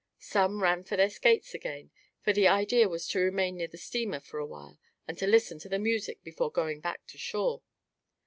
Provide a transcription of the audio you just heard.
Some ran for their skates again, for the idea was to remain near the steamer for a while and listen to the music before going back to shore.